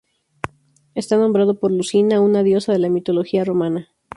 Está nombrado por Lucina, una diosa de la mitología romana.